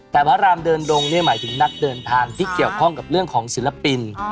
แต่พระรามเดินดงเนี่ยหมายถึงนักเดินทางที่เกี่ยวข้องกับเรื่องของศิลปิน